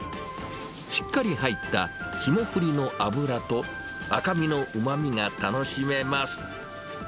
しっかり入った霜降りの脂と赤みのうまみが楽しめます。